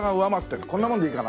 こんなもんでいいかな？